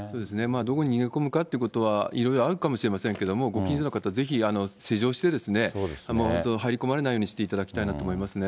どこに逃げ込むかということは、いろいろあるかもしれませんけれども、ご近所の方、ぜひ施錠して本当、入り込まれないようにしていただきたいなと思いますね。